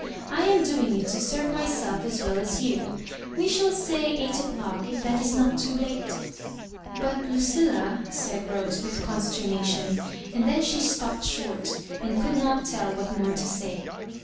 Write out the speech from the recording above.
I am doing it to serve myself as well as you. We shall say eight o'clock, if that is not too late." *• But, Lucilla " gaid Rose, with consterna tion ; and then she stepped short, and could not tell what more to say.